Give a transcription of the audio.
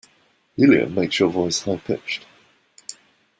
Helium makes your voice high pitched.